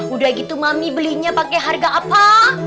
udah gitu mami belinya pakai harga apa